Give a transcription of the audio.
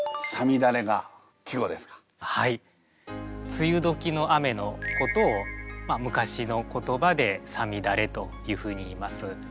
梅雨時の雨のことを昔の言葉で「五月雨」というふうに言います。